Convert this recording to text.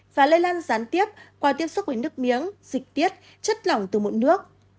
và lây lan gián tiếp qua tiếp xúc với nước miếng dịch tiết chất lỏng từ mụn nước